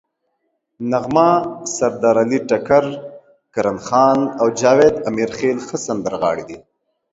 نغمه، سردارعلي ټکر، کرن خان او جاوید امیرخیل ښه سندرغاړي دي.